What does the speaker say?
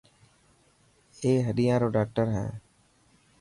اي هڏيان رو ڊاڪٽر هي.